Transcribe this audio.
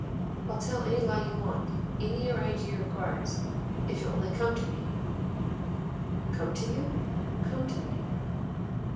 "I'll tell any lie you want, any your idea requires, if you'll only come to me." "Come to you?" "Come to me."